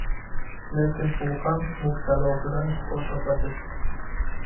lekin u ham mubtalosidan shifo topadi.